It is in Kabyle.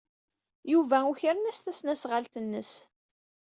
Yuba ukren-as tasnasɣalt-nnes.